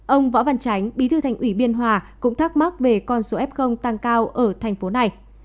ông võ văn tránh bí thư thành ủy biên hòa cũng thắc mắc về con số f tăng cao ở thành phố này